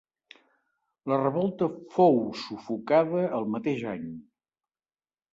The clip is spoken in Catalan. La revolta fou sufocada el mateix any.